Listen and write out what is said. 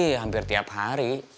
tapi sih hampir tiap hari